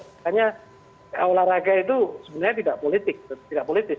makanya olahraga itu sebenarnya tidak politik